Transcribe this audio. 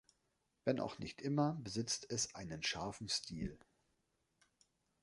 Wenn auch nicht immer, besitzt es einen scharfen Stil.